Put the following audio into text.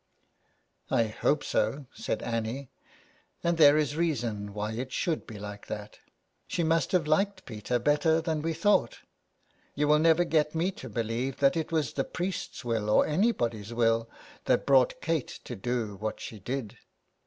" I hope so," said Annie. *' And there is reason why it should be like that. She must have liked Peter better than we thought ; you will never get me to believe that it was the priest's will or anybody's will that brought Kate to do what she did."